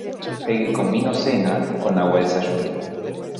El que con vino cena, con agua desayuna.